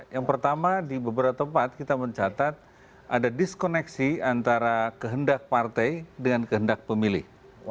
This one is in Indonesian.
yang pertama di beberapa tempat kita mencatat ada diskoneksi antara kehendak partai dengan kehendak pemilih